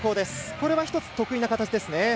これは１つ、得意な形ですね。